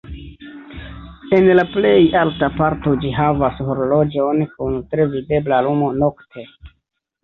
En la plej alta parto ĝi havas horloĝon kun tre videbla lumo nokte.